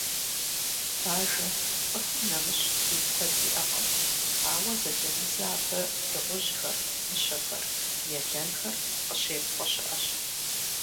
Бажэм цӀыхум нэмыщӀ бий куэд иӀэкъым, ауэ зэзэмызэ абы дыгъужьхэр, мыщэхэр, елэнхэр къыщепхъуэ щыӏэщ.